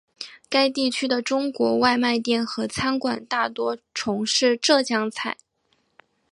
该地区的中国外卖店和餐馆大多从事浙江菜。